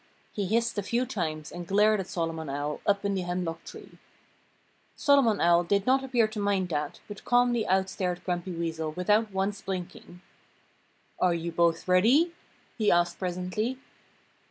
He hissed a few times and glared at Solomon Owl, up in the hemlock tree. Solomon Owl did not appear to mind that, but calmly outstared Grumpy Weasel without once blinking. "Are you both ready?" he asked presently.